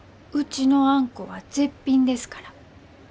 うちのあんこは絶品ですから。